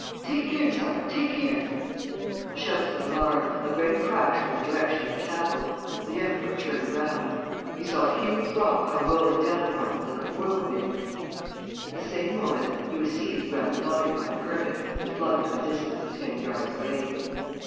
"Take care, Sire, take care!" Shouts of alarm ... a great crash from the direction of the chapel. ... The Emperor turned round. He saw a huge rock come rolling down upon him like a whirlwind. At the same moment, he was seized round the body by the hermit and flung to a distance of ten yards away.